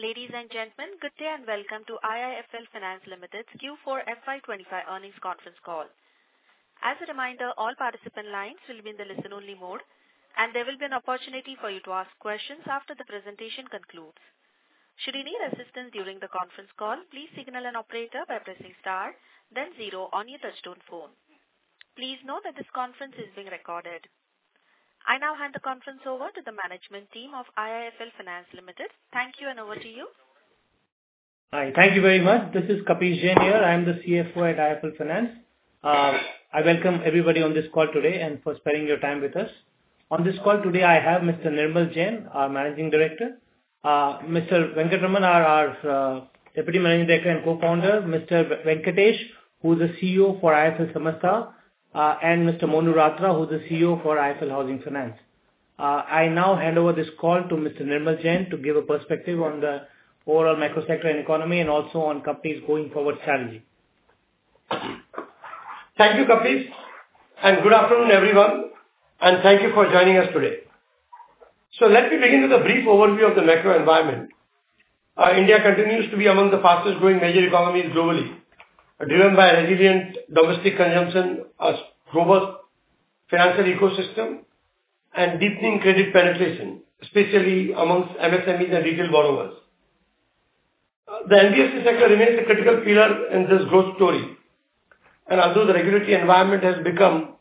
Ladies and gentlemen, good day and welcome to IIFL Finance Limited's Q4 FY25 earnings conference call. As a reminder, all participant lines will be in the listen-only mode, and there will be an opportunity for you to ask questions after the presentation concludes. Should you need assistance during the conference call, please signal an operator by pressing star, then zero on your touchstone phone. Please note that this conference is being recorded. I now hand the conference over to the management team of IIFL Finance Limited. Thank you, and over to you. Hi. Thank you very much. This is Kapish Jain. Here, I am the CFO at IIFL Finance. I welcome everybody on this call today and for spending your time with us. On this call today, I have Mr. Nirmal Jain, our Managing Director. Mr. Venkata Ramana, our Deputy Managing Director and Co-founder. Mr. Venkatesh, who's the CEO for IIFL Samastha, and Mr. Monu Ratra, who's the CEO for IIFL Housing Finance. I now hand over this call to Mr. Nirmal Jain to give a perspective on the overall micro sector and economy, and also on companies' going-forward strategy. Thank you, Kapish. Good afternoon, everyone. Thank you for joining us today. Let me begin with a brief overview of the macro environment. India continues to be among the fastest-growing major economies globally, driven by resilient domestic consumption, a robust financial ecosystem, and deepening credit penetration, especially amongst MSMEs and retail borrowers. The NBFC sector remains a critical pillar in this growth story. Although the regulatory environment has become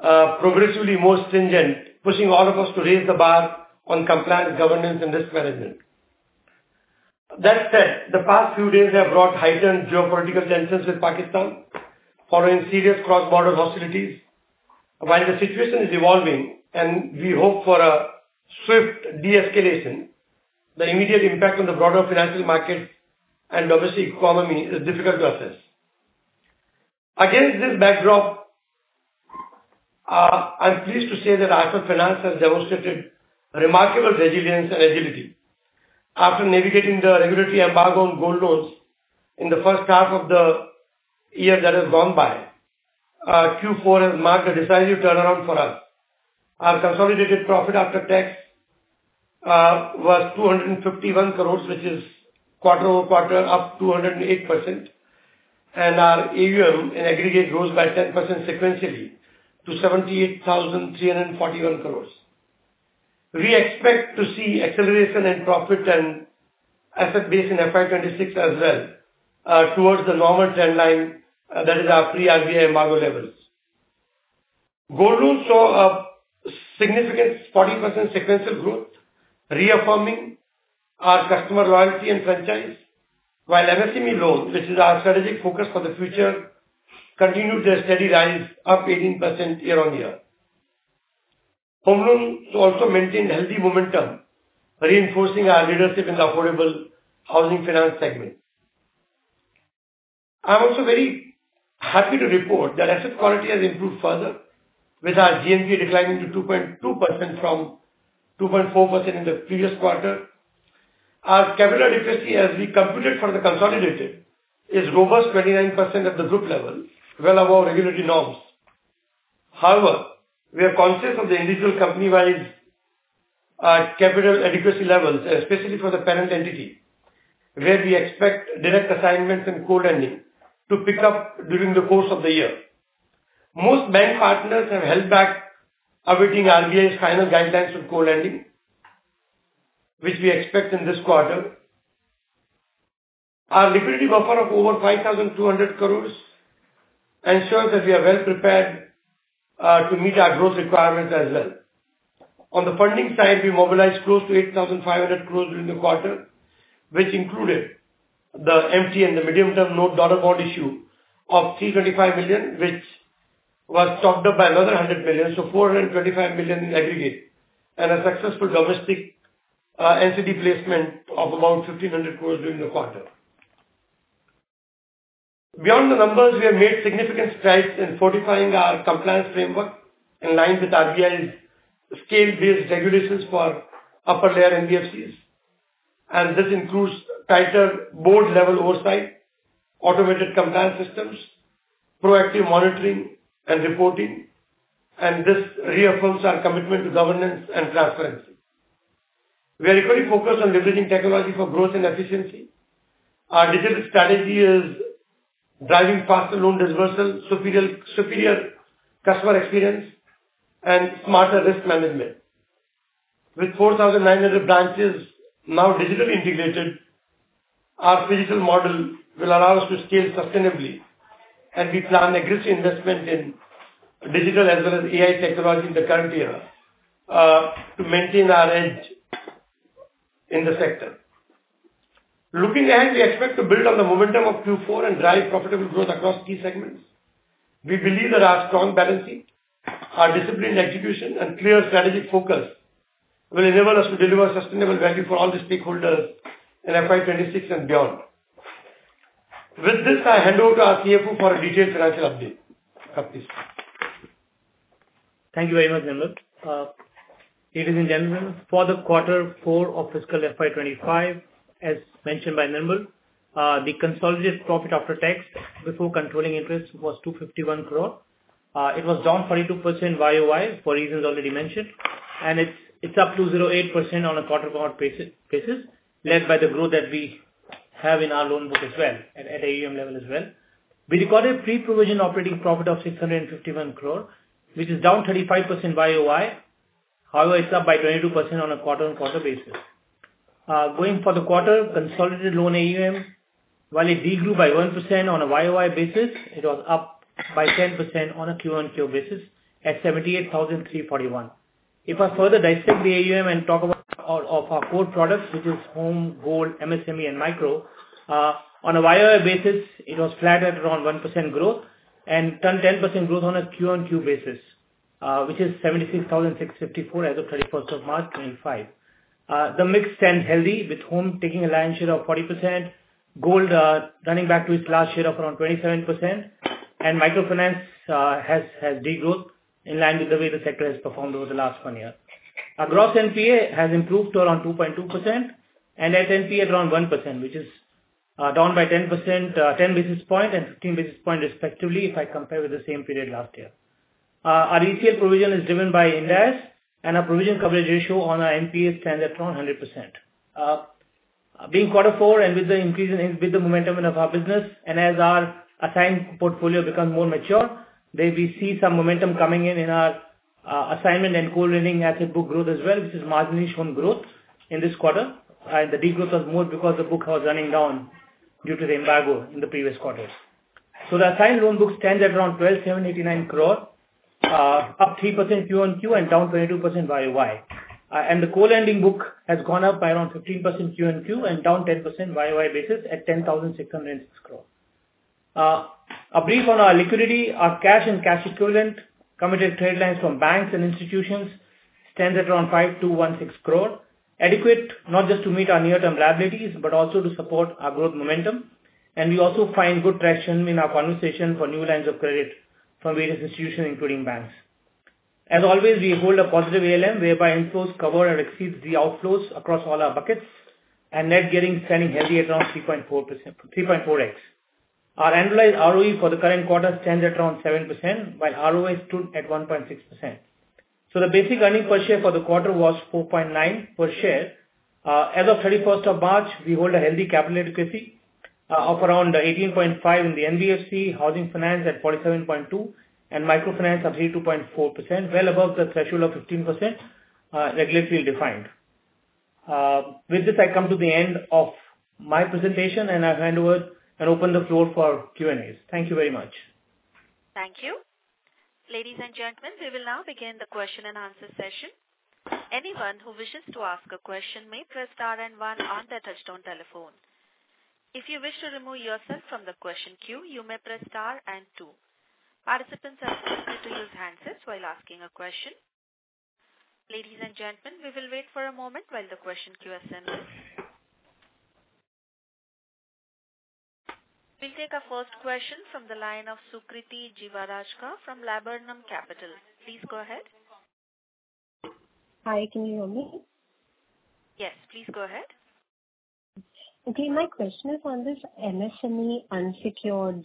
progressively more stringent, pushing all of us to raise the bar on compliance, governance, and risk management. That said, the past few days have brought heightened geopolitical tensions with Pakistan, following serious cross-border hostilities. While the situation is evolving, and we hope for a swift de-escalation, the immediate impact on the broader financial markets and domestic economy is difficult to assess. Against this backdrop, I am pleased to say that IIFL Finance has demonstrated remarkable resilience and agility. After navigating the regulatory embargo on gold loans in the first half of the year that has gone by, Q4 has marked a decisive turnaround for us. Our consolidated profit after tax was 251 crores, which is quarter-over-quarter up 208%. And our AUM in aggregate rose by 10% sequentially to 78,341 crores. We expect to see acceleration in profit and asset base in FY26 as well, towards the normal trend line that is our pre-RBI embargo levels. Gold loans saw a significant 40% sequential growth, reaffirming our customer loyalty and franchise, while MSME loans, which is our strategic focus for the future, continued their steady rise, up 18% year-on-year. Home loans also maintained healthy momentum, reinforcing our leadership in the affordable housing finance segment. I'm also very happy to report that asset quality has improved further, with our GNPA declining to 2.2% from 2.4% in the previous quarter. Our capital efficiency, as we computed for the consolidated, is robust, 29% at the group level, well above regulatory norms. However, we are conscious of the individual company-wide capital adequacy levels, especially for the parent entity, where we expect direct assignments and co-lending to pick up during the course of the year. Most bank partners have held back, awaiting RBI's final guidelines on co-lending, which we expect in this quarter. Our liquidity buffer of over 5,200 crores ensures that we are well prepared to meet our growth requirements as well. On the funding side, we mobilized close to 8,500 crores during the quarter, which included the MT and the medium-term note dollar bond issue of 325 million, which was topped up by another 100 million, so 425 million in aggregate, and a successful domestic NCD placement of about 1,500 crores during the quarter. Beyond the numbers, we have made significant strides in fortifying our compliance framework in line with RBI's scale-based regulations for upper-layer NBFCs. This includes tighter board-level oversight, automated compliance systems, proactive monitoring and reporting, and this reaffirms our commitment to governance and transparency. We are equally focused on leveraging technology for growth and efficiency. Our digital strategy is driving faster loan disbursal, superior customer experience, and smarter risk management. With 4,900 branches now digitally integrated, our physical model will allow us to scale sustainably, and we plan aggressive investment in digital as well as AI technology in the current era to maintain our edge in the sector. Looking ahead, we expect to build on the momentum of Q4 and drive profitable growth across key segments. We believe that our strong balance sheet, our disciplined execution, and clear strategic focus will enable us to deliver sustainable value for all the stakeholders in FY26 and beyond. With this, I hand over to our CFO for a detailed financial update. Kapish. Thank you very much, Nirmal. Ladies and gentlemen, for the quarter four of fiscal FY25, as mentioned by Nirmal, the consolidated profit after tax before controlling interest was 251 crores. It was down 42% YoY for reasons already mentioned, and it is up 0.8% on a quarter-quarter basis, led by the growth that we have in our loan book as well, and at AUM level as well. We recorded a pre-provision operating profit of 651 crores, which is down 35% YoY. However, it is up by 22% on a quarter-on-quarter basis. Going for the quarter consolidated loan AUM, while it degrew by 1% on a YoY basis, it was up by 10% on a QoQ basis at 78,341 crores. If I further dissect the AUM and talk about our core products, which are Home, Gold, MSME, and Micro, on a YoY basis, it was flat at around 1% growth and turned 10% growth on a Q1-Q basis, which is 76,654 as of 31st of March 2025. The mix stands healthy, with home taking a Lion's share of 40%, Gold running back to its last share of around 27%, and Microfinance has degrowth in line with the way the sector has performed over the last one year. Our gross NPA has improved to around 2.2%, and net NPA at around 1%, which is down by 10 basis points and 15 basis points respectively if I compare with the same period last year. Our ECL provision is driven by in-dairies, and our provision coverage ratio on our NPA stands at around 100%. Being quarter four and with the increase in the momentum of our business, and as our assigned portfolio becomes more mature, we see some momentum coming in in our assignment and co-lending asset book growth as well, which is marginally shown growth in this quarter. The degrowth was more because the book was running down due to the embargo in the previous quarters. The assigned loan book stands at around 12,789 crores, up 3% QoQ and down 22% YoY. The co-lending book has gone up by around 15% QoQ and down 10% YoY basis at 10,606 crores. A brief on our liquidity. Our cash and cash equivalent committed trade lines from banks and institutions stand at around 5,216 crores, adequate not just to meet our near-term liabilities, but also to support our growth momentum. We also find good traction in our conversation for new lines of credit from various institutions, including banks. As always, we hold a positive ALM, whereby inflows cover and exceed the outflows across all our buckets, and net gearing standing healthy at around 3.4x. Our annualized ROE for the current quarter stands at around 7%, while ROI stood at 1.6%. The basic earning per share for the quarter was 4.9 per share. As of 31st of March, we hold a healthy capital adequacy of around 18.5% in the NBFC, housing finance at 47.2%, and microfinance at 32.4%, well above the threshold of 15% regulatory defined. With this, I come to the end of my presentation, and I'll hand over and open the floor for Q&As. Thank you very much. Thank you. Ladies and gentlemen, we will now begin the question and answer session. Anyone who wishes to ask a question may press star and one on their touchstone telephone. If you wish to remove yourself from the question queue, you may press star and two. Participants are encouraged to use handsets while asking a question. Ladies and gentlemen, we will wait for a moment while the question queue assembles. We'll take our first question from the line of Sukriti Jiwarajka from Laburnum Capital. Please go ahead. Hi. Can you hear me? Yes. Please go ahead. Okay. My question is on this MSME unsecured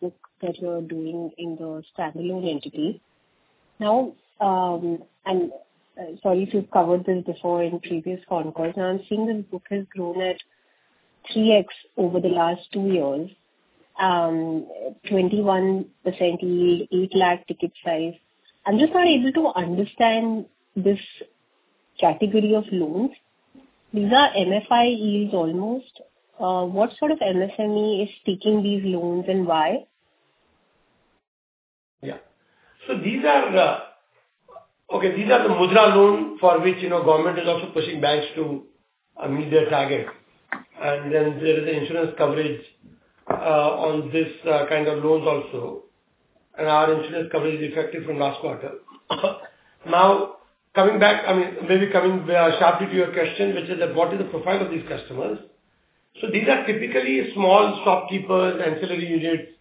book that you're doing in the standalone entity. Now, I'm sorry if you've covered this before in previous conquests. Now, I'm seeing the book has grown at 3X over the last two years, 21% yield, 8 lakh ticket size. I'm just not able to understand this category of loans. These are MFI yields almost. What sort of MSME is taking these loans and why? Yeah. These are the MUDRA loans for which government is also pushing banks to meet their target. There is insurance coverage on this kind of loans also. Our insurance coverage is effective from last quarter. Now, coming back, I mean, maybe coming sharply to your question, which is that what is the profile of these customers? These are typically small shopkeepers, ancillary units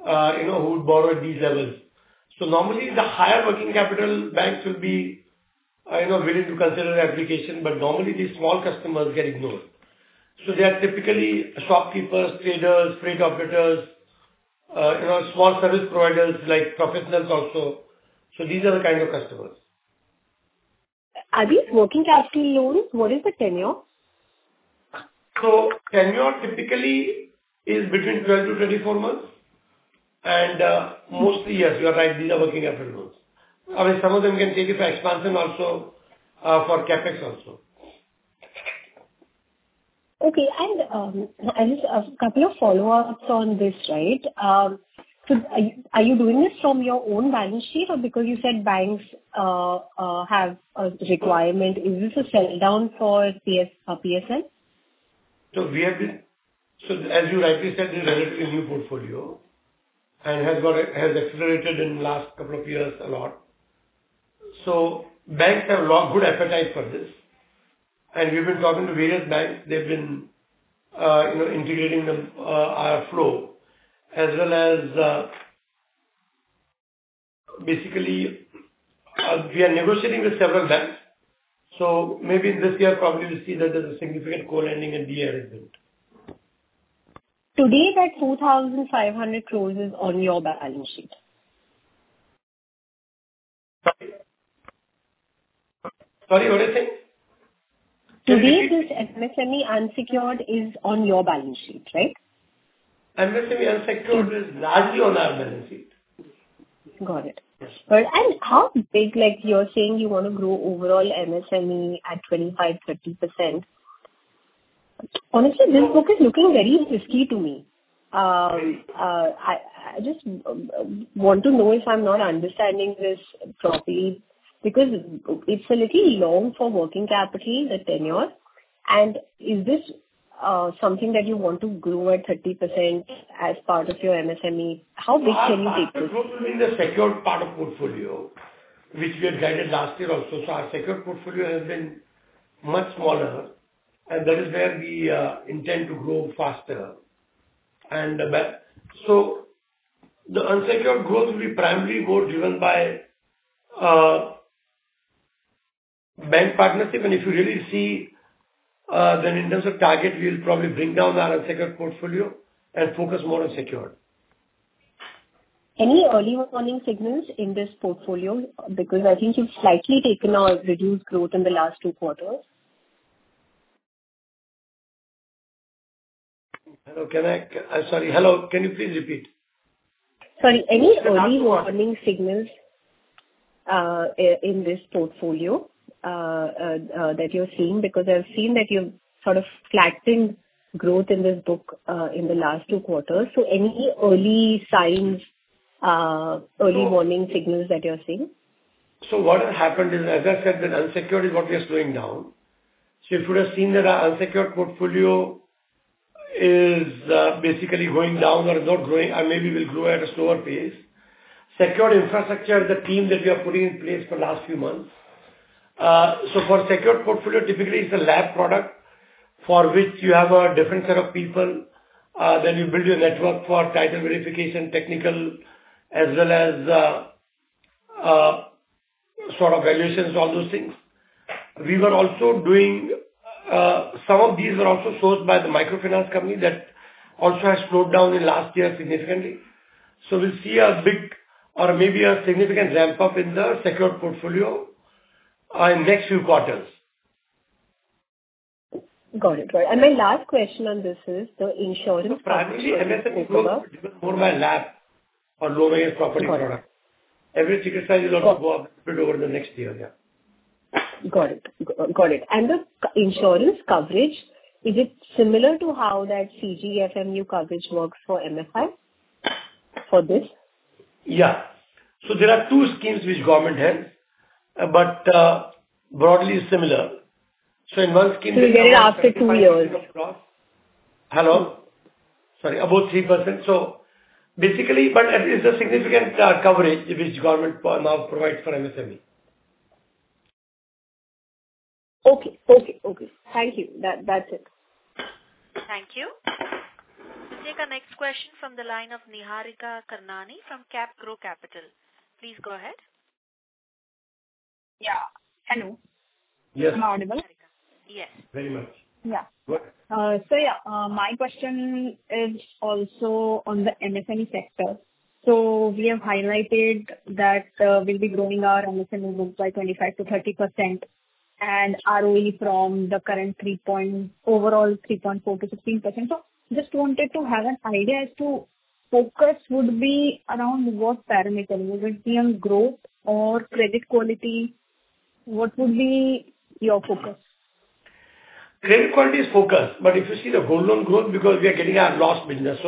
who would borrow at these levels. Normally, the higher working capital banks will be willing to consider application, but normally, these small customers get ignored. They are typically shopkeepers, traders, freight operators, small service providers like professionals also. These are the kind of customers. Are these working capital loans? What is the tenure? Tenure typically is between 12-24 months. Mostly, yes, you are right. These are working capital loans. I mean, some of them can take it for expansion also, for CapEx also. Okay. And just a couple of follow-ups on this, right? Are you doing this from your own balance sheet or because you said banks have a requirement? Is this a sell-down for PSL? As you rightly said, this is a relatively new portfolio and has accelerated in the last couple of years a lot. Banks have a lot of good appetite for this. We've been talking to various banks. They've been integrating our flow as well as basically, we are negotiating with several banks. Maybe this year, probably we'll see that there's a significant co-lending and DA in the year. Today, that 2,500 crores is on your balance sheet. Sorry. Sorry, what did you say? Today, this MSME unsecured is on your balance sheet, right? MSME unsecured is largely on our balance sheet. Got it. How big you're saying you want to grow overall MSME at 25%, 30%? Honestly, this book is looking very risky to me. I just want to know if I'm not understanding this properly because it's a little long for working capital, the tenure. Is this something that you want to grow at 30% as part of your MSME? How big can you take this? The growth is in the secured part of portfolio, which we had guided last year also. Our secured portfolio has been much smaller, and that is where we intend to grow faster. The unsecured growth will be primarily more driven by bank partnership. If you really see, then in terms of target, we'll probably bring down our unsecured portfolio and focus more on secured. Any early warning signals in this portfolio? Because I think you've slightly taken a reduced growth in the last two quarters. Hello. Sorry. Hello. Can you please repeat? Sorry. Any early warning signals in this portfolio that you're seeing? Because I've seen that you've sort of flattened growth in this book in the last two quarters. Any early signs, early warning signals that you're seeing? What has happened is, as I said, that unsecured is what we are slowing down. If you would have seen that our unsecured portfolio is basically going down or is not growing, and maybe will grow at a slower pace. Secured infrastructure is the team that we are putting in place for the last few months. For secured portfolio, typically, it is a LAP product for which you have a different set of people. Then you build your network for title verification, technical, as well as sort of valuations, all those things. We were also doing some of these, are also sold by the microfinance company, that also has slowed down in last year significantly. We will see a big or maybe a significant ramp-up in the secured portfolio in the next few quarters. Got it. Right. My last question on this is the insurance. Primarily, MSME will grow more by LAP or lower-end property product. Every ticket size will also go up a bit over the next year. Yeah. Got it. Got it. The insurance coverage, is it similar to how that CGFMU coverage works for MFI for this? Yeah. There are two schemes which government has, but broadly similar. In one scheme. You get it after two years. Hello? Sorry. About 3%. Basically, but it's a significant coverage which government now provides for MSME. Okay. Thank you. That's it. Thank you. We'll take a next question from the line of Niharika Karnani from CapGrow Capital. Please go ahead. Yeah. Hello. Yes. I'm audible? Yes. Very much. Yeah, my question is also on the MSME sector. We have highlighted that we'll be growing our MSME book by 25%-30%, and ROE from the current overall 3.4%-16%. Just wanted to have an idea as to focus would be around what parameter? Will it be on growth or credit quality? What would be your focus? Credit quality is focus, If you see the gold loan growth, because we are getting our lost business.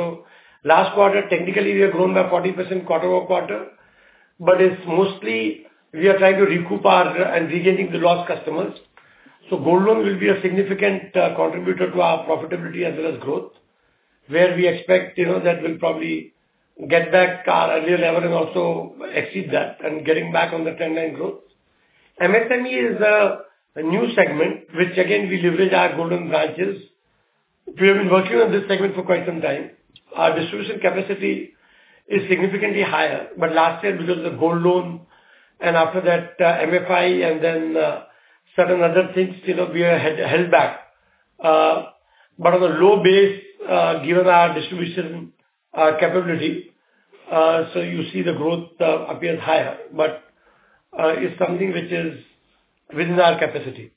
Last quarter, technically, we have grown by 40% quarter over quarter. It is mostly we are trying to recoup and regaining the lost customers. Gold loan will be a significant contributor to our profitability as well as growth, where we expect that we will probably get back our earlier level and also exceed that and getting back on the trendline growth. MSME is a new segment, which again, we leverage our gold loan branches. We have been working on this segment for quite some time. Our distribution capacity is significantly higher. Last year, because of the gold loan and after that MFI and then certain other things, we were held back. On a low base, given our distribution capability, you see the growth appears higher. It is something which is within our capacity.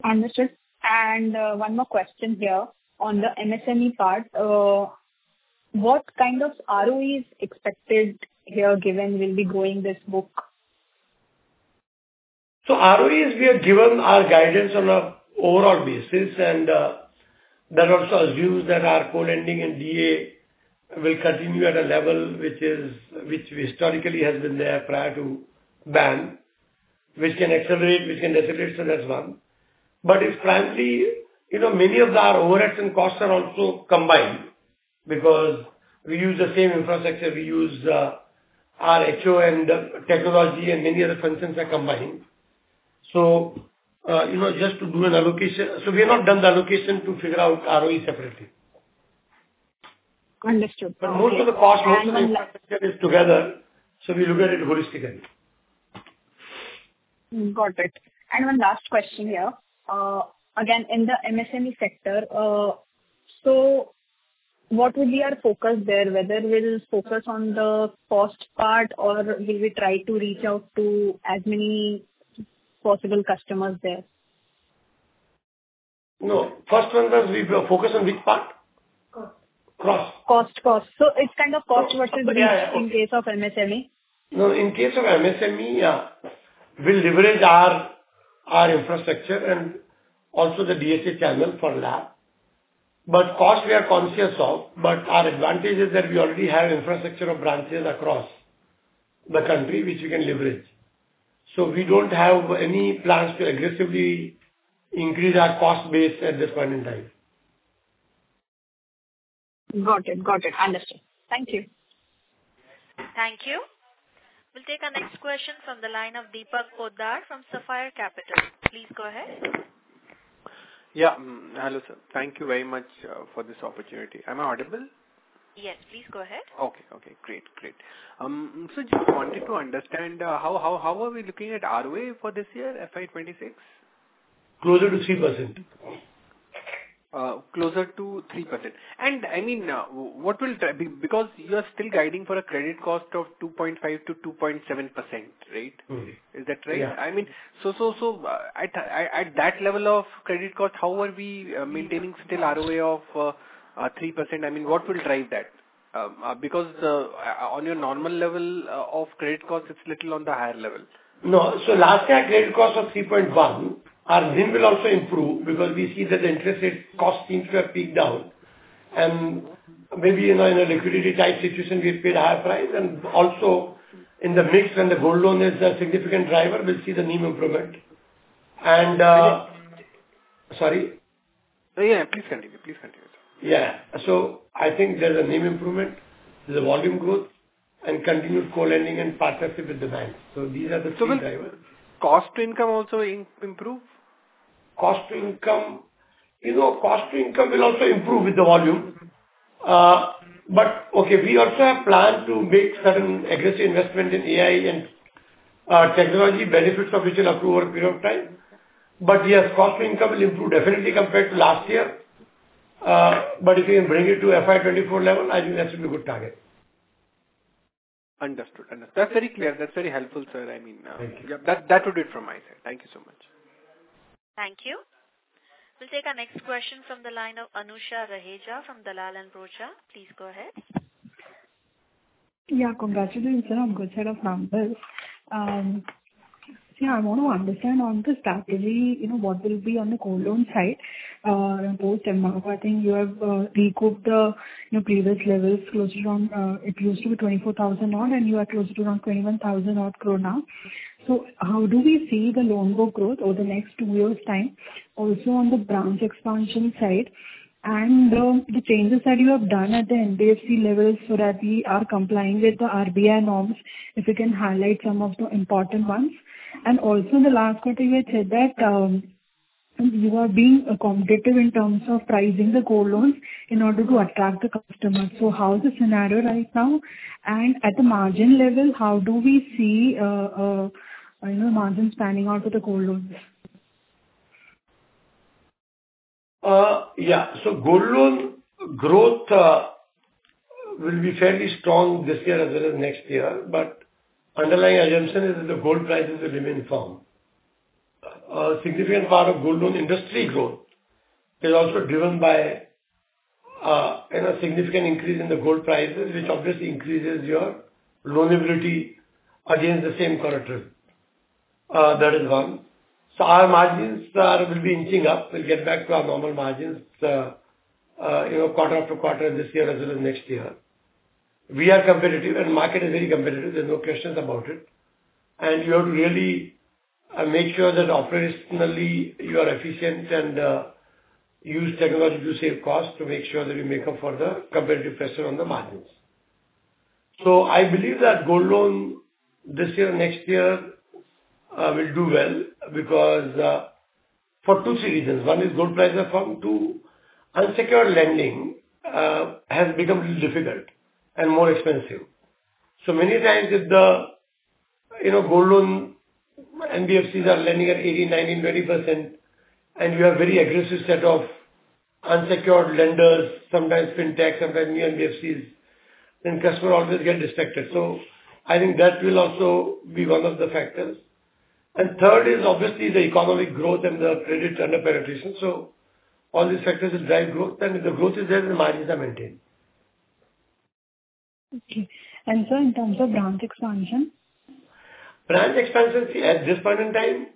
One more question here on the MSME part. What kind of ROE is expected here, given we'll be growing this book? ROE is we are given our guidance on an overall basis, and that also assumes that our co-lending and DA will continue at a level which historically has been there prior to ban, which can accelerate, which can decelerate. That is one. It is primarily many of our overheads and costs are also combined because we use the same infrastructure. We use our HO and technology and many other functions are combined. Just to do an allocation, we have not done the allocation to figure out ROE separately. Understood. Most of the cost, most of the infrastructure is together. So we look at it holistically. Got it. One last question here. Again, in the MSME sector, what will be our focus there, whether we'll focus on the cost part or will we try to reach out to as many possible customers there? No. First one was we will focus on which part? Cost. So it's kind of cost versus reach in case of MSME? No. In case of MSME, we'll leverage our infrastructure and also the DSA channel for LAP. Cost, we are conscious of. Our advantage is that we already have infrastructure of branches across the country, which we can leverage. We do not have any plans to aggressively increase our cost base at this point in time. Got it. Got it. Understood. Thank you. Thank you. We'll take our next question from the line of Deepak Poddar from Sapphire Capital. Please go ahead. Yeah. Hello, sir. Thank you very much for this opportunity. Am I audible? Yes. Please go ahead. Okay. Okay. Great. Great. Just wanted to understand how are we looking at ROE for this year, FY26? Closer to 3%. Closer to 3%. I mean, what will, because you are still guiding for a credit cost of 2.5%-2.7%, right? Is that right? Yeah. I mean, at that level of credit cost, how are we maintaining still ROE of 3%? I mean, what will drive that? Because on your normal level of credit cost, it's little on the higher level. No. Last year, credit costs were 3.1%. Our NIM will also improve because we see that the interest rate cost seems to have peaked down. In a liquidity-tight situation, we've paid a higher price. Also, in the mix, when the gold loan is a significant driver, we'll see the NIM improvement. Sorry? Yeah. Please continue. Please continue. Yeah. I think there's a NIM improvement, the volume growth, and continued co-lending and partnership with the banks. These are the three drivers. Will cost to income also improve? Cost to income will also improve with the volume. Okay, we also have planned to make certain aggressive investment in AI and technology, benefits of which will accrue over a period of time. Yes, cost to income will improve definitely compared to last year. If you can bring it to FY24 level, I think that's a good target. Understood. Understood. That's very clear. That's very helpful, sir. I mean, that would be it from my side. Thank you so much. Thank you. We'll take our next question from the line of Anusha Raheja from Dalal and Rocha. Please go ahead. Yeah. Congratulations. I am good, head of numbers. Yeah. I want to understand on the strategy, what will be on the gold loan side post-MRO? I think you have recouped the previous levels closer to around it used to be 24,000 odd, and you are closer to around 21,000 odd crores now. How do we see the loan book growth over the next two years' time? Also on the branch expansion side and the changes that you have done at the NBFC level so that we are complying with the RBI norms, if you can highlight some of the important ones. Also, in the last quarter, you had said that you are being accommodative in terms of pricing the gold loans in order to attract the customers. How is the scenario right now? At the margin level, how do we see the margins panning out for the gold loans? Yeah. Gold loan growth will be fairly strong this year as well as next year. The underlying assumption is that the Gold prices will remain firm. A significant part of Gold loan industry growth is also driven by a significant increase in the gold prices, which obviously increases your loanability against the same quarter. That is one. Our margins will be inching up. We'll get back to our normal margins quarter after quarter this year as well as next year. We are competitive, and the market is very competitive. There is no question about it. You have to really make sure that operationally you are efficient and use technology to save costs to make sure that you make up for the competitive pressure on the margins. I believe that gold loan this year and next year will do well because for two reasons. One is gold prices are firm. Two, unsecured lending has become a little difficult and more expensive. Many times if the gold loan NBFCs are lending at 18%, 19%, 20%, and you have a very aggressive set of unsecured lenders, sometimes fintechs, sometimes new NBFCs, then customers always get distracted. I think that will also be one of the factors. Third is obviously the economic growth and the credit under penetration. All these factors will drive growth. If the growth is there, then the margins are maintained. Okay. And so in terms of branch expansion? Branch expansion at this point in time,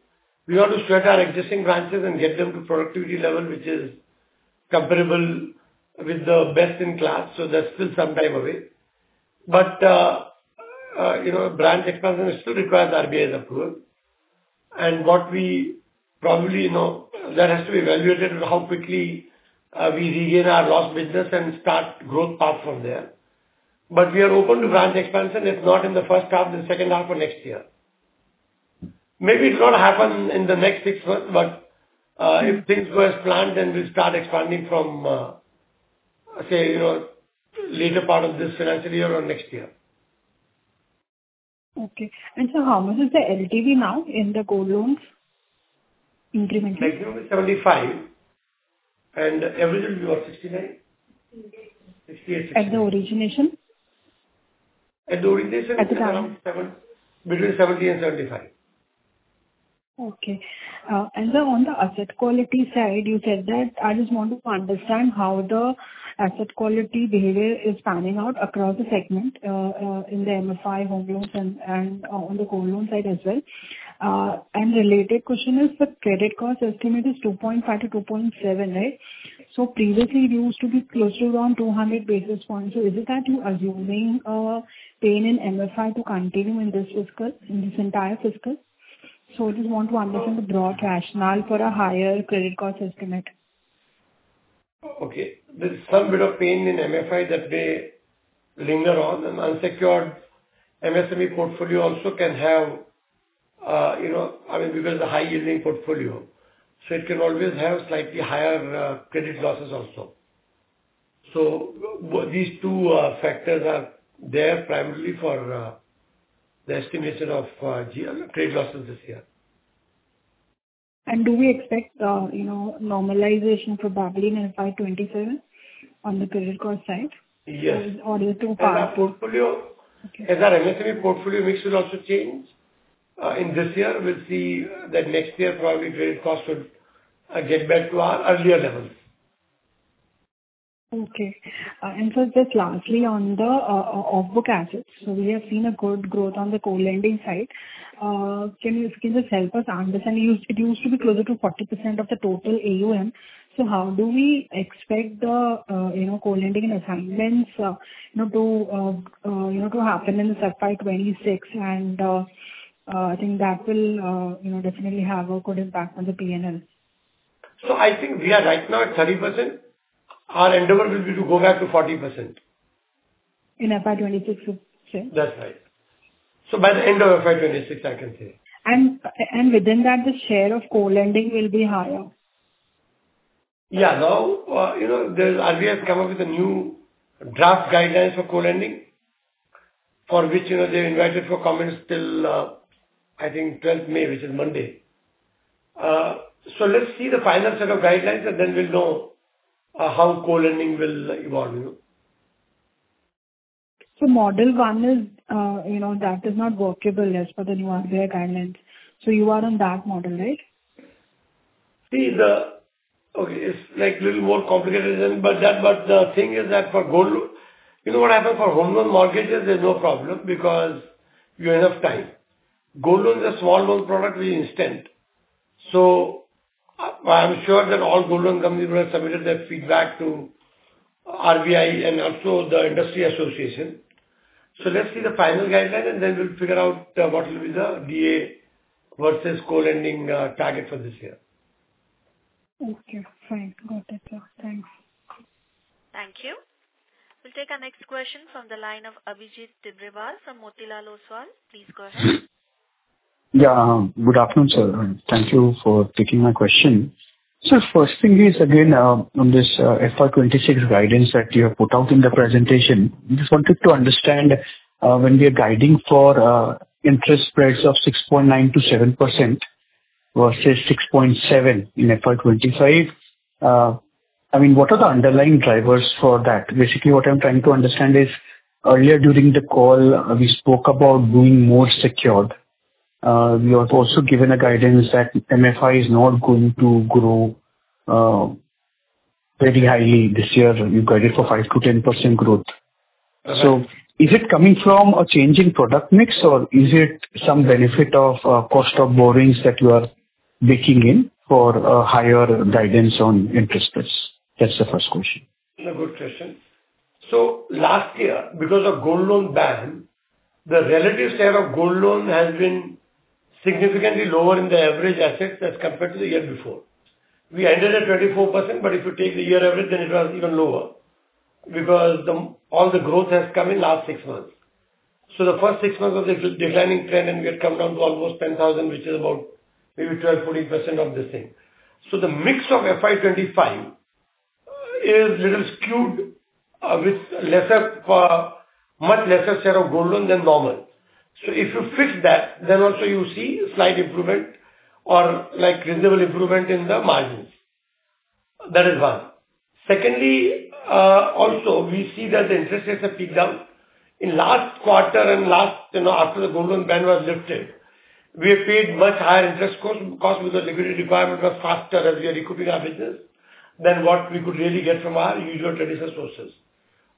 we want to strengthen our existing branches and get them to productivity level, which is comparable with the best in class. That is still some time away. Branch expansion still requires RBI's approval. What we probably need to evaluate is how quickly we regain our lost business and start growth path from there. We are open to branch expansion, if not in the first half, then second half of next year. Maybe it will not happen in the next six months, but if things go as planned, then we will start expanding from, say, later part of this financial year or next year. Okay. And how much is the LTV now in the gold loans incrementally? Maximum is 75. And average will be about 69. 68, 69. At the origination? At the origination, it's around between 70 and 75. Okay. On the asset quality side, you said that I just want to understand how the asset quality behavior is panning out across the segment in the MFI, home loans, and on the gold loan side as well. A related question is the credit cost estimate is 2.5-2.7, right? Previously, it used to be close to around 200 basis points. Is it that you are using pain in MFI to continue in this entire fiscal? I just want to understand the broad rationale for a higher credit cost estimate. Okay. There's some bit of pain in MFI that may linger on. An unsecured MSME portfolio also can have, I mean, because it's a high-yielding portfolio. It can always have slightly higher credit losses also. These two factors are there primarily for the estimation of credit losses this year. Do we expect normalization probably in FY27 on the credit cost side? Yes. Or is it too far? On our portfolio, as our MSME portfolio mix will also change in this year, we'll see that next year probably credit costs will get back to our earlier levels. Okay. And just lastly on the off-book assets. We have seen a good growth on the co-lending side. Can you just help us understand? It used to be closer to 40% of the total AUM. How do we expect the co-lending and assignments to happen in the financial year 2026? I think that will definitely have a good impact on the P&L. I think we are right now at 30%. Our end of it will be to go back to 40%. In FY26, you said? That's right. By the end of FY26, I can say. Within that, the share of co-lending will be higher? Yeah. Now, RBI has come up with a new draft guidelines for co-lending for which they invited for comments till, I think, 12th May, which is Monday. Let's see the final set of guidelines, and then we'll know how co-lending will evolve. Model one is that is not workable as per the new RBI guidelines. You are on that model, right? See, okay, it's a little more complicated than. The thing is that for Gold, you know what happened for home loan mortgages? There's no problem because you have time. Gold loans are small loan products with instant. I'm sure that all gold loan companies will have submitted their feedback to RBI and also the industry association. Let's see the final guideline, and then we'll figure out what will be the DA versus co-lending target for this year. Okay. Thanks. Got it. Thanks. Thank you. We'll take our next question from the line of Abhijit Tibrewal from Motilal Oswal. Please go ahead. Yeah. Good afternoon, sir. Thank you for taking my question. First thing is, again, on this FY26 guidance that you have put out in the presentation, I just wanted to understand when we are guiding for interest spreads of 6.9%-7% versus 6.7% in FY25, I mean, what are the underlying drivers for that? Basically, what I'm trying to understand is earlier during the call, we spoke about being more secured. We were also given a guidance that MFI is not going to grow very highly this year. You guided for 5%-10% growth. Is it coming from a changing product mix, or is it some benefit of cost of borrowings that you are baking in for a higher guidance on interest rates? That's the first question. That's a good question. Last year, because of the Gold loan ban, the relative share of gold loan has been significantly lower in the average assets as compared to the year before. We ended at 24%, but if you take the year average, then it was even lower because all the growth has come in the last six months. The first six months was a declining trend, and we had come down to almost 10,000, which is about maybe 12%-14% of this thing. The mix of FY25 is a little skewed with much lesser share of Gold loan than normal. If you fix that, then also you see a slight improvement or reasonable improvement in the margins. That is one. Secondly, also, we see that the interest rates have peaked down. In last quarter and last after the Gold loan ban was lifted, we have paid much higher interest cost because the liquidity requirement was faster as we are recouping our business than what we could really get from our usual traditional sources.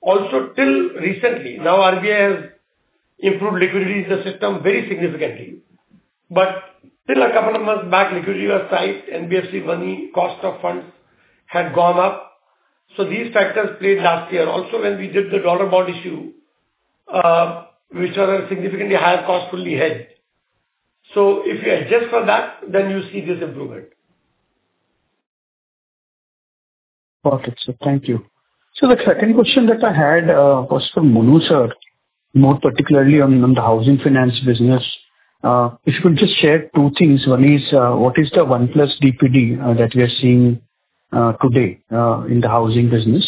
Also, till recently, now RBI has improved liquidity in the system very significantly. Till a couple of months back, liquidity was tight. NBFC money, cost of funds had gone up. These factors played last year. Also, when we did the dollar bond issue, which was a significantly higher cost-friendly hedge. If you adjust for that, then you see this improvement. Got it, sir. Thank you. The second question that I had was for Manu, sir, more particularly on the housing finance business. If you could just share two things. One is, what is the one plus DPD that we are seeing today in the housing business?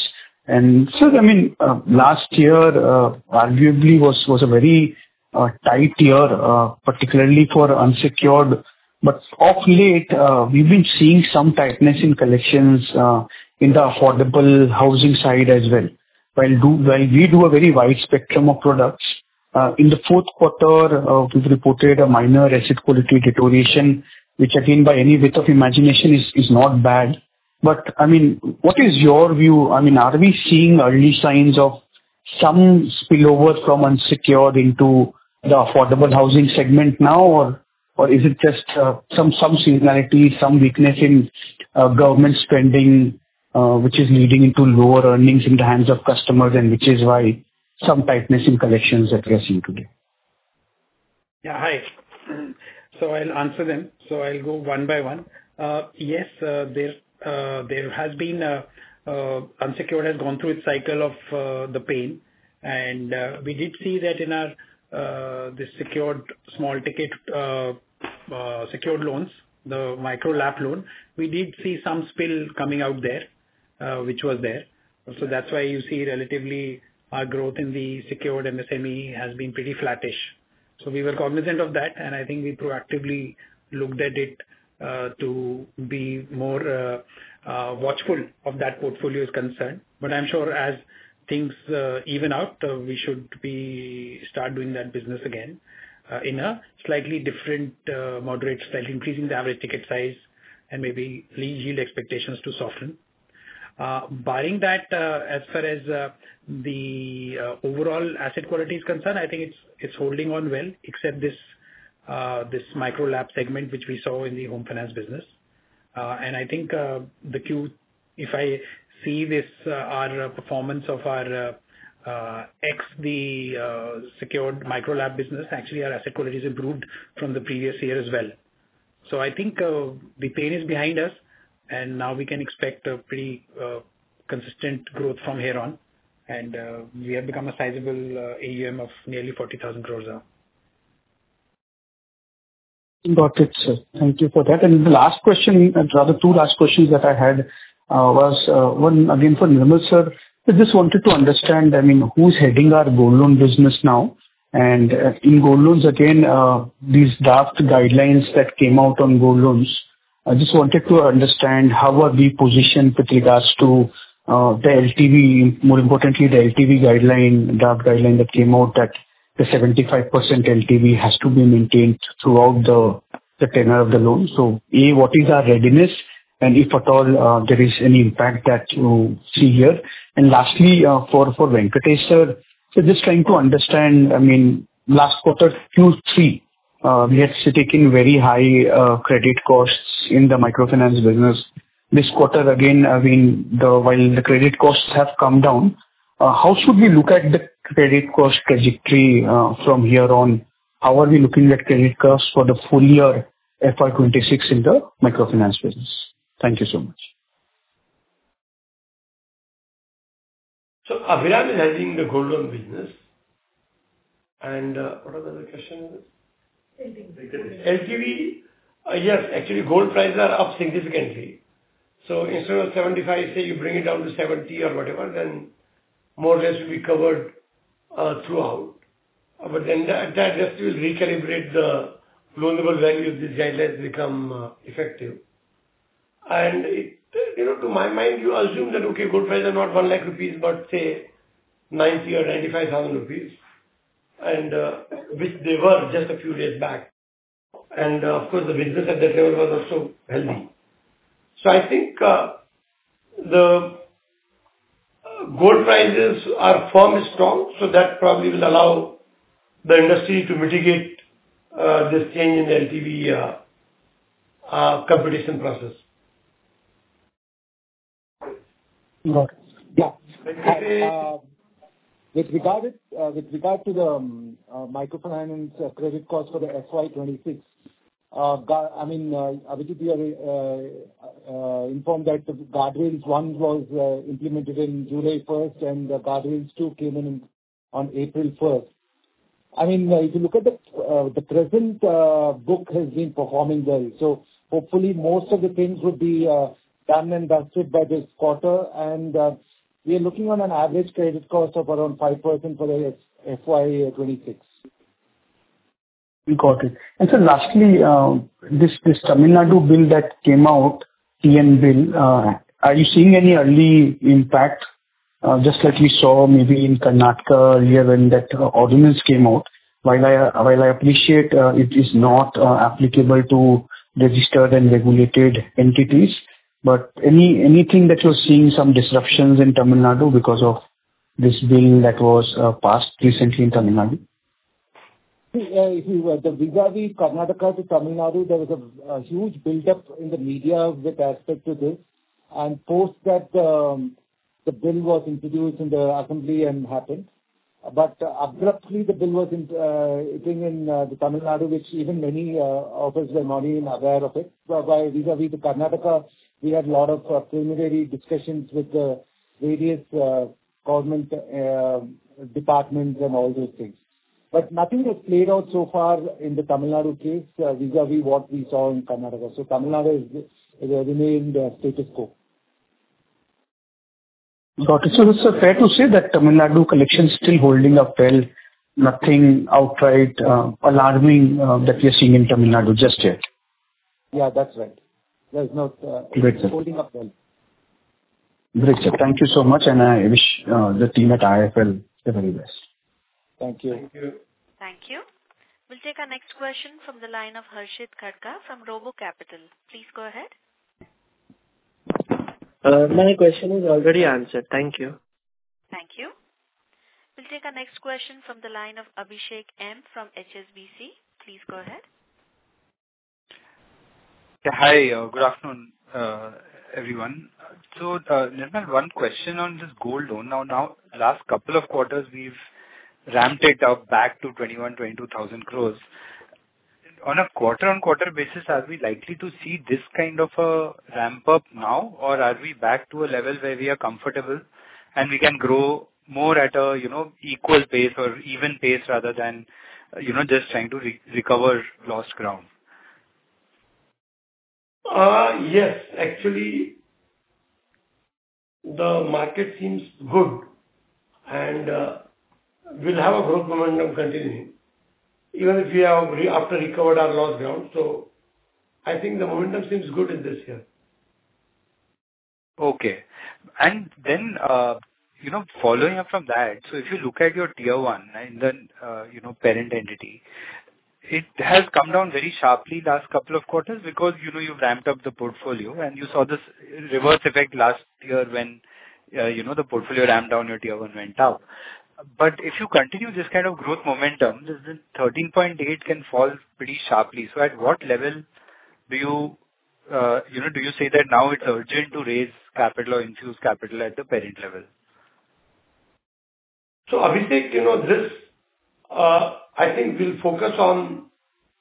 Sir, I mean, last year arguably was a very tight year, particularly for unsecured. Of late, we've been seeing some tightness in collections in the affordable housing side as well. While we do a very wide spectrum of products, in the fourth quarter, we've reported a minor asset quality deterioration, which again, by any width of imagination, is not bad. I mean, what is your view? I mean, are we seeing early signs of some spillover from unsecured into the affordable housing segment now, or is it just some similarity, some weakness in government spending, which is leading into lower earnings in the hands of customers, and which is why some tightness in collections that we are seeing today? Yeah. Hi. So I'll answer them. I'll go one by one. Yes, there has been unsecured has gone through its cycle of the pain. We did see that in the secured small ticket secured loans, the micro-LAP loan, we did see some spill coming out there, which was there. That's why you see relatively our growth in the secured MSME has been pretty flattish. We were cognizant of that, and I think we proactively looked at it to be more watchful of that portfolio's concern. I'm sure as things even out, we should start doing that business again in a slightly different moderate style, increasing the average ticket size and maybe lean yield expectations to soften. Barring that, as far as the overall asset quality is concerned, I think it's holding on well, except this micro-LAP segment, which we saw in the home finance business. I think the cue, if I see this, our performance of our ex-secured micro-LAP business, actually our asset quality has improved from the previous year as well. I think the pain is behind us, and now we can expect a pretty consistent growth from here on. We have become a sizable AUM of nearly 40,000 crores now. Got it, sir. Thank you for that. The last question, rather two last questions that I had was one, again, for Nirmal sir. I just wanted to understand, I mean, who's heading our Gold loan business now? In Gold loans, again, these draft guidelines that came out on Gold loans, I just wanted to understand how are we positioned with regards to the LTV, more importantly, the LTV guideline, draft guideline that came out that the 75% LTV has to be maintained throughout the tenure of the loan. A, what is our readiness? If at all, there is any impact that you see here? Lastly, for Venkatesh sir, I'm just trying to understand, I mean, last quarter, Q3, we had to take in very high credit costs in the microfinance business. This quarter, again, I mean, while the credit costs have come down, how should we look at the credit cost trajectory from here on? How are we looking at credit costs for the full year 2026 in the microfinance business? Thank you so much. Avira is heading the gold loan business. What was the other question? LTV? Yes. Actually, gold prices are up significantly. Instead of 75, say you bring it down to 70 or whatever, then more or less we will be covered throughout. At that, we will recalibrate the loanable value if these guidelines become effective. To my mind, you assume that, okay, gold prices are not 100,000 rupees, but say 90,000 or 95,000, which they were just a few days back. Of course, the business at that level was also healthy. I think the gold prices are firmly strong, so that probably will allow the industry to mitigate this change in the LTV computation process. Got it. Yeah. With regard to the microfinance credit cost for the FY2026, I mean, Abhijit, you are informed that the guardrails one was implemented in July 1, and the guardrails two came in on April 1. I mean, if you look at the present book, it has been performing well. Hopefully, most of the things will be done and dusted by this quarter. We are looking on an average credit cost of around 5% for the FY26. Got it. Lastly, this Tamil Nadu bill that came out, TN bill, are you seeing any early impact, just like we saw maybe in Karnataka earlier when that ordinance came out? While I appreciate it is not applicable to registered and regulated entities, but anything that you're seeing, some disruptions in Tamil Nadu because of this bill that was passed recently in Tamil Nadu? Yeah. With regard to Karnataka to Tamil Nadu, there was a huge buildup in the media with respect to this. Post that, the bill was introduced in the assembly and happened. Abruptly, the bill was hitting in Tamil Nadu, which even many of us were not even aware of. While vis-à-vis Karnataka, we had a lot of preliminary discussions with the various government departments and all those things. Nothing has played out so far in the Tamil Nadu case vis-à-vis what we saw in Karnataka. Tamil Nadu remained status quo. Got it. So it's fair to say that Tamil Nadu collections are still holding up well. Nothing outright alarming that we are seeing in Tamil Nadu just yet. Yeah, that's right. They're still holding up well. Great. Thank you so much. I wish the team at IIFL the very best. Thank you. Thank you. We'll take our next question from the line of Harshit Gadkar from Robo Capital. Please go ahead. My question is already answered. Thank you. Thank you. We'll take our next question from the line of Abhishek M from HSBC. Please go ahead. Yeah. Hi. Good afternoon, everyone. Nirmal, one question on this Gold loan. Now, last couple of quarters, we've ramped it up back to 21,000-22,000 crore. On a quarter-on-quarter basis, are we likely to see this kind of a ramp up now, or are we back to a level where we are comfortable and we can grow more at an equal pace or even pace rather than just trying to recover lost ground? Yes. Actually, the market seems good, and we'll have a growth momentum continuing even if we have after recovered our lost ground. I think the momentum seems good in this year. Okay. And then following up from that, if you look at your tier one and then parent entity, it has come down very sharply last couple of quarters because you've ramped up the portfolio, and you saw this reverse effect last year when the portfolio ramped down, your tier one went up. If you continue this kind of growth momentum, then 13.8 can fall pretty sharply. At what level do you say that now it's urgent to raise capital or infuse capital at the parent level? Abhishek, I think we'll focus on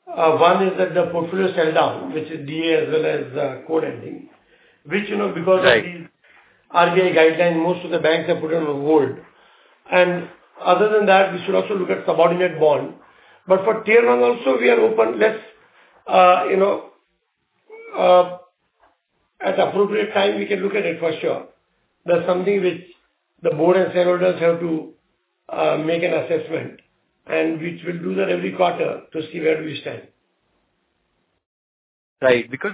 one is that the portfolio sell down, which is DA as well as co-lending, which because of these RBI guidelines, most of the banks have put on hold. Other than that, we should also look at subordinate bond. For tier one also, we are open less. At appropriate time, we can look at it for sure. That is something which the board and shareholders have to make an assessment, and we will do that every quarter to see where we stand. Right. Because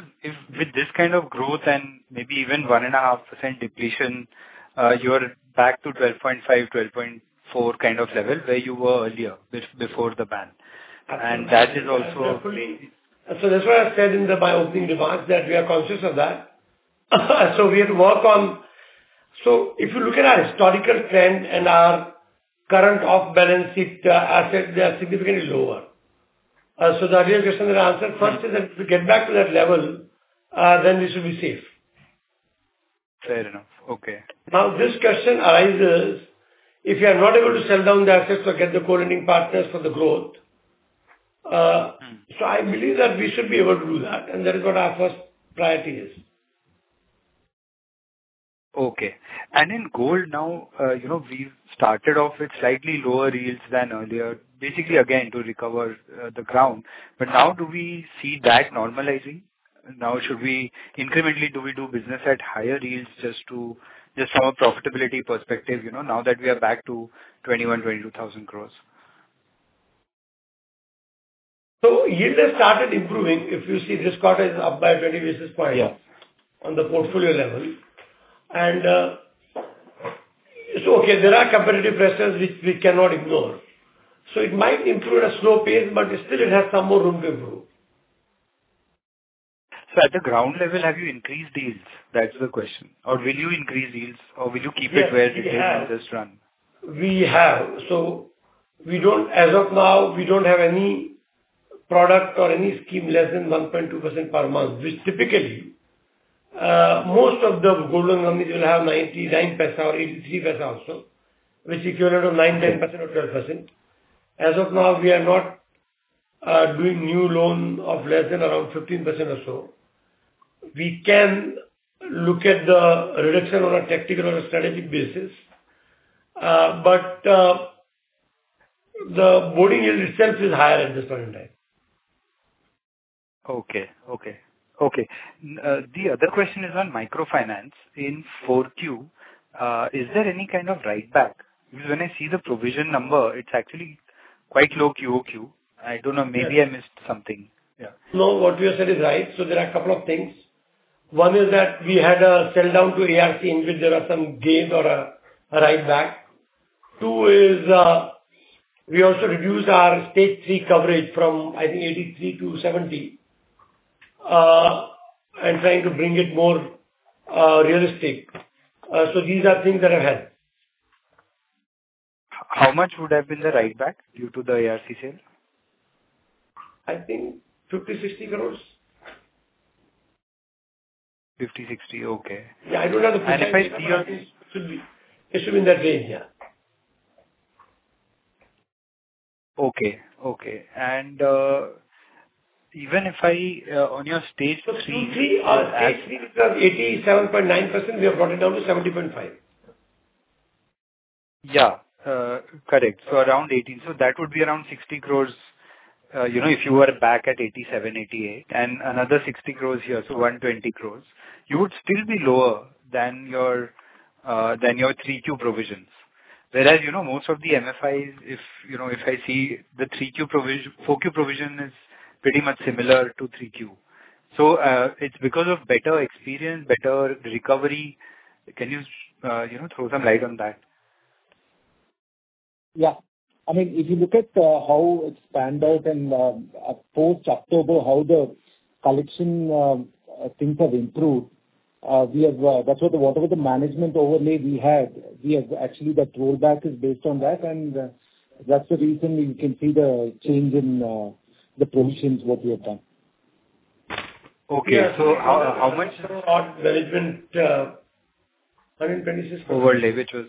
with this kind of growth and maybe even 1.5% depletion, you're back to 12.5, 12.4 kind of level where you were earlier before the ban. That is also. That's why I said in my opening remarks that we are conscious of that. We had to work on it. If you look at our historical trend and our current off-balance sheet asset, they are significantly lower. The earlier question that I answered first is that if we get back to that level, then we should be safe. Fair enough. Okay. Now, this question arises if you are not able to sell down the assets or get the co-lending partners for the growth. I believe that we should be able to do that, and that is what our first priority is. Okay. In Gold now, we've started off with slightly lower yields than earlier, basically again to recover the ground. Now do we see that normalizing? Now, incrementally, do we do business at higher yields just from a profitability perspective now that we are back to 21,000-22,000 crores? Yield has started improving. If you see this quarter, it is up by 20 basis points on the portfolio level. There are competitive pressures which we cannot ignore. It might improve at a slow pace, but still, it has some more room to improve. At the ground level, have you increased yields? That's the question. Or will you increase yields, or will you keep it where it is and just run? We have. As of now, we do not have any product or any scheme less than 1.2% per month, which typically most of the gold loan companies will have 99% or 83% or so, which is equivalent of 9%, 10%, or 12%. As of now, we are not doing new loans of less than around 15% or so. We can look at the reduction on a tactical or a strategic basis, but the boarding yield itself is higher at this point in time. Okay. The other question is on Microfinance in 4Q. Is there any kind of write-back? Because when I see the provision number, it's actually quite low QoQ. I don't know. Maybe I missed something. Yeah. No, what you said is right. There are a couple of things. One is that we had a sell down to ARC, in which there are some gains or a write back. Two is we also reduced our stage three coverage from, I think, 83%-70% and trying to bring it more realistic. These are things that have helped. How much would have been the write-back due to the ARC sale? I think INR 50-INR 60 crores. 50, 60. Okay. Yeah. I don't have the full figure. If I see your. It should be in that range. Yeah. Okay. Okay. And even if I on your stage three. Q3, at 87.9%, we have brought it down to 70.5%. Yeah. Correct. So around 18. So that would be around 60 crores if you were back at 87, 88, and another 60 crores here, so 120 crores. You would still be lower than your 3Q provisions. Whereas most of the MFIs, if I see the 4Q provision, it's pretty much similar to 3Q. It's because of better experience, better recovery. Can you throw some light on that? Yeah. I mean, if you look at how it spanned out in post-October, how the collection things have improved, that's what the management overlay we had. Actually, that rollback is based on that, and that's the reason you can see the change in the provisions, what we have done. Okay. So how much? There has been INR 125 crores. Overlay, which was.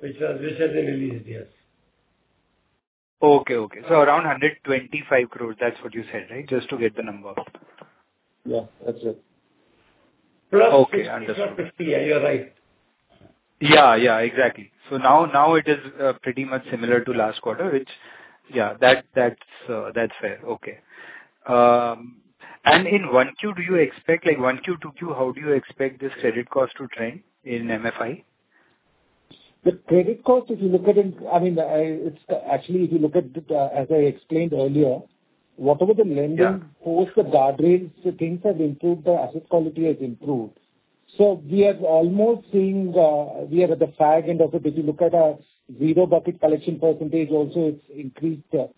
Which has been released. Yes. Okay. Okay. So around 125 crores, that's what you said, right? Just to get the number. Yeah. That's it. Okay. Understood. It's around 50. Yeah. You're right. Yeah. Yeah. Exactly. Now it is pretty much similar to last quarter, which, yeah, that's fair. Okay. In 1Q, do you expect 1Q, 2Q, how do you expect this credit cost to trend in MFI? The credit cost, if you look at it, I mean, actually, if you look at it, as I explained earlier, whatever the lending post the guardrails, things have improved. The asset quality has improved. We are almost seeing we are at the fag end of it. If you look at our zero bucket collection percentage, also it's increased, and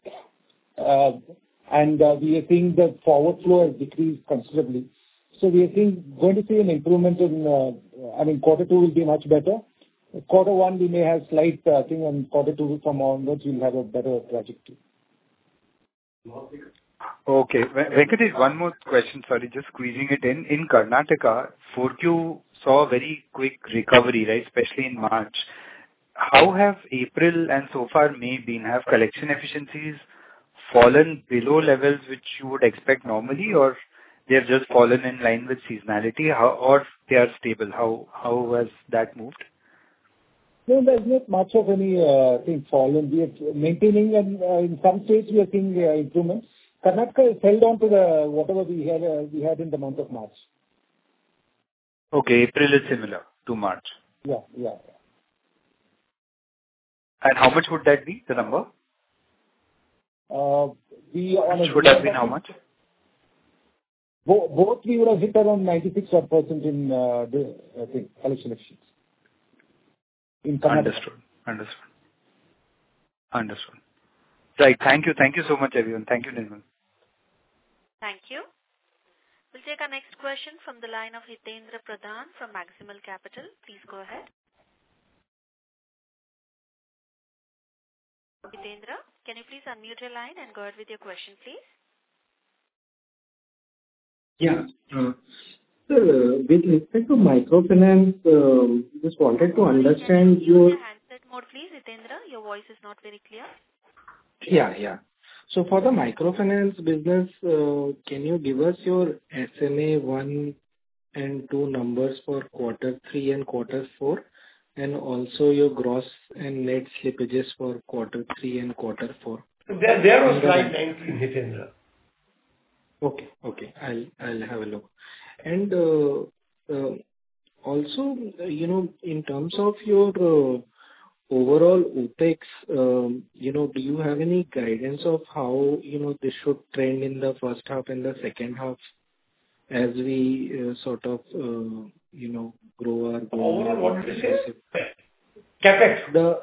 we are seeing the forward flow has decreased considerably. We are going to see an improvement in, I mean, quarter two will be much better. Quarter one, we may have slight thing in quarter two from onwards, we'll have a better trajectory. Okay. Venkatesh, one more question. Sorry, just squeezing it in. In Karnataka, 4Q saw a very quick recovery, right, especially in March. How have April and so far May been? Have collection efficiencies fallen below levels which you would expect normally, or they have just fallen in line with seasonality, or they are stable? How has that moved? No, there's not much of anything fallen. Maintaining, and in some states, we are seeing improvements. Karnataka has held on to whatever we had in the month of March. Okay. April is similar to March. Yeah. Yeah. How much would that be, the number? We are on. Which would have been how much? Both, we would have hit around 96% in collection efficiencies in Karnataka. Understood. Right. Thank you. Thank you so much, everyone. Thank you, Nirmal. Thank you. We'll take our next question from the line of Hitiandra Pradhan from Maximal Capital. Please go ahead. Hiteendra, can you please unmute your line and go ahead with your question, please? Yeah. So with respect to Microfinance, we just wanted to understand your. Can you put your handset mode, please, Hitiandra? Your voice is not very clear. Yeah. Yeah. For the microfinance business, can you give us your SMA one and two numbers for quarter three and quarter four, and also your gross and net slippages for quarter three and quarter four? There was slight banking, Hitiandra. Okay. Okay. I'll have a look. Also, in terms of your overall Opex, do you have any guidance of how this should trend in the first half and the second half as we sort of grow our goal? Our what? CapEx. The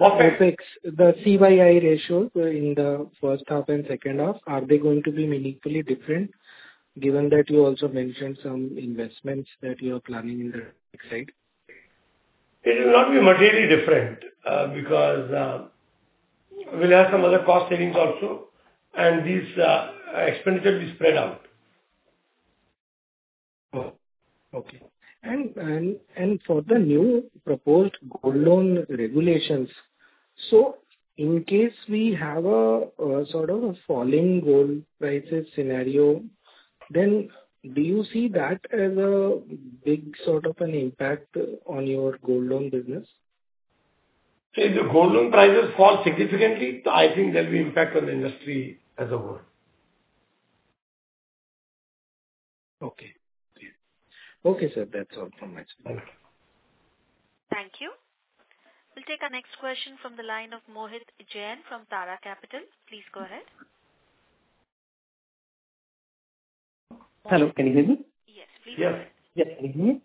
Opex. The C/I ratios in the first half and second half, are they going to be meaningfully different given that you also mentioned some investments that you are planning in the next side? They will not be materially different because we'll have some other cost savings also, and these expenditures will spread out. Okay. For the new proposed gold loan regulations, in case we have a sort of a falling gold prices scenario, do you see that as a big sort of an impact on your gold loan business? If the gold loan prices fall significantly, I think there'll be an impact on the industry as a whole. Okay. Okay. Okay, sir. That's all from my side. Thank you. We'll take our next question from the line of Mohit Jain from Tara Capital. Please go ahead. Hello. Can you hear me? Yes. Please go ahead.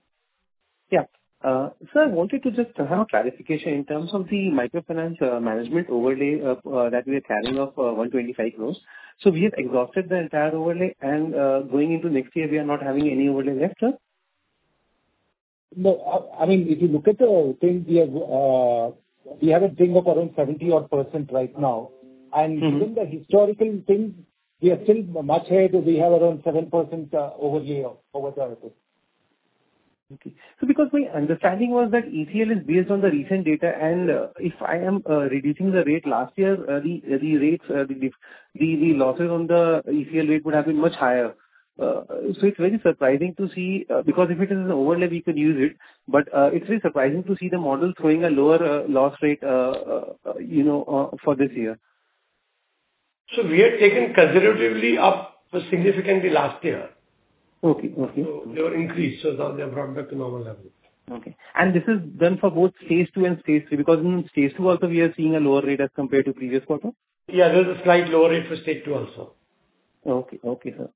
Yeah. I wanted to just have a clarification in terms of the microfinance management overlay that we are carrying of 125 crores. We have exhausted the entire overlay, and going into next year, we are not having any overlay left, sir? No. I mean, if you look at the thing, we have a thing of around 70 odd percent right now. Given the historical thing, we are still much ahead; we have around 7% overlay over the other thing. Okay. So because my understanding was that ECL is based on the recent data, and if I am reducing the rate last year, the losses on the ECL rate would have been much higher. It is very surprising to see because if it is an overlay, we could use it, but it is very surprising to see the model showing a lower loss rate for this year. We had taken conservatively up significantly last year. Okay. They were increased, so now they are brought back to normal levels. Okay. This is done for both stage two and Stage three because in Stage two also, we are seeing a lower rate as compared to previous quarter? Yeah. There's a slight lower rate for Stage two also. Okay. Okay, sir.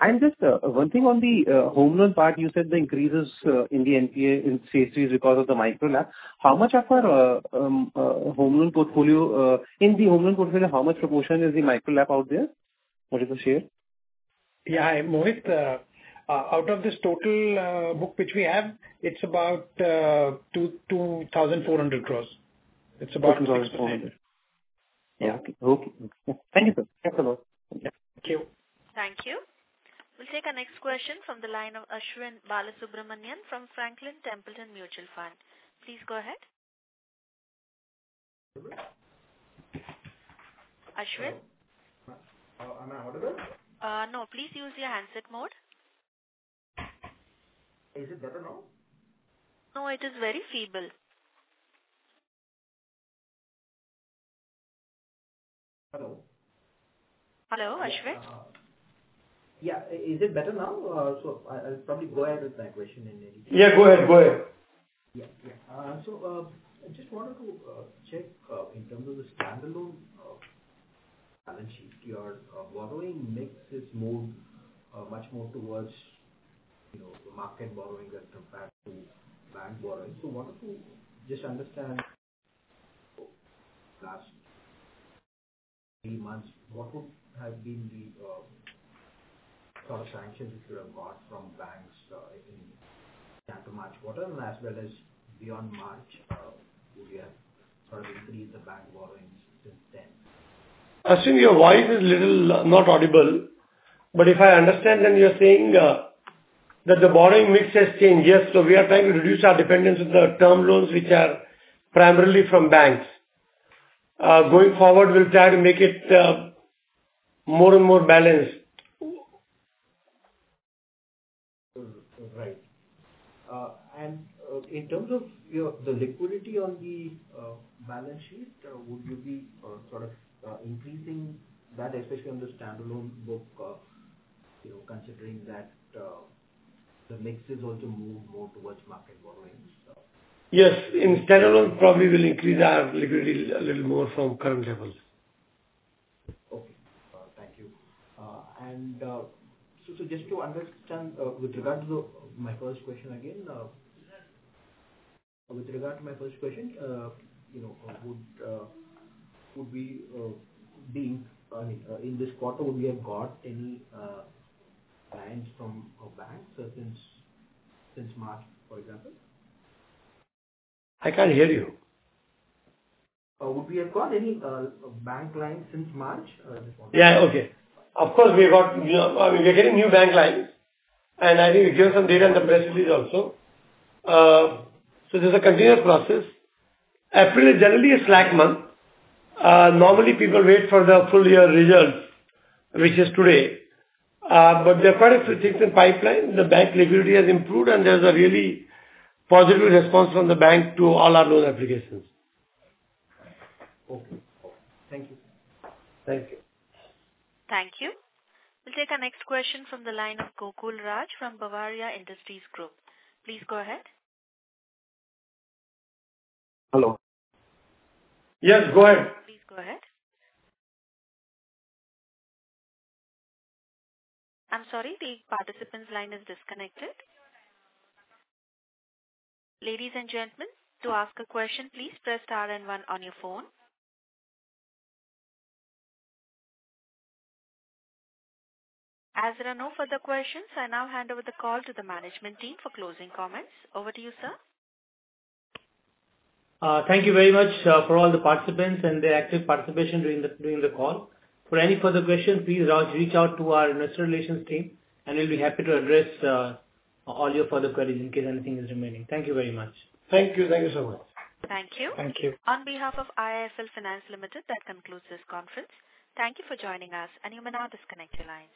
And just one thing on the home loan part, you said the increases in the NPA in stage three is because of the micro LAP. How much of our home loan portfolio in the home loan portfolio, how much proportion is the micro LAP out there? What is the share? Yeah. Mohit, out of this total book which we have, it is about 2,400 crore. It is about 2,400. 2,400. Yeah. Okay. Okay. Thank you, sir. Thanks a lot. Thank you. Thank you. We'll take our next question from the line of Ashwin Balasubramanian from Franklin Templeton Mutual Fund. Please go ahead. Ashwin? Am I audible? No. Please use your handset mode. Is it better now? No. It is very feeble. Hello? Hello, Ashwin? Yeah. Is it better now? I'll probably go ahead with my question in a little bit. Yeah. Go ahead. Go ahead. Yeah. Yeah. I just wanted to check in terms of the standalone balance sheet, your borrowing mix is much more towards market borrowing as compared to bank borrowing. I wanted to just understand last three months, what would have been the sort of sanctions that you have got from banks in after March quarter, and as well as beyond March, would you have sort of increased the bank borrowing since then? Assume your voice is not audible, but if I understand, then you're saying that the borrowing mix has changed. Yes. We are trying to reduce our dependence on the term loans, which are primarily from banks. Going forward, we'll try to make it more and more balanced. Right. In terms of the liquidity on the balance sheet, would you be sort of increasing that, especially on the standalone book, considering that the mix is also moved more towards market borrowing? Yes. In standalone, probably we'll increase our liquidity a little more from current levels. Okay. Thank you. Just to understand, with regard to my first question again, with regard to my first question, would we be in this quarter, would we have got any lines from banks since March, for example? I can't hear you. Would we have got any bank lines since March? Yeah. Okay. Of course, we've got new bank lines, and I think we've given some data on the press release also. So there's a continuous process. April is generally a slack month. Normally, people wait for the full year results, which is today. But there are quite a few things in pipeline. The bank liquidity has improved, and there's a really positive response from the bank to all our loan applications. Okay. Okay. Thank you. Thank you. Thank you. We'll take our next question from the line of Gokul Raj from Bavaria Industries Group. Please go ahead. Hello. Yes. Go ahead. Please go ahead. I'm sorry. The participant's line is disconnected. Ladies and gentlemen, to ask a question, please press star and one on your phone. As there are no further questions, I now hand over the call to the management team for closing comments. Over to you, sir. Thank you very much for all the participants and the active participation during the call. For any further questions, please reach out to our investor relations team, and we will be happy to address all your further queries in case anything is remaining. Thank you very much. Thank you. Thank you so much. Thank you. Thank you. On behalf of IIFL Finance Limited, that concludes this conference. Thank you for joining us, and you may now disconnect your lines.